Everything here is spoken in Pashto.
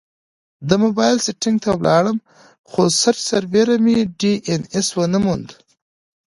د مبایل سیټینګ ته لاړم، خو سرچ سربیره مې ډي این ایس ونه موند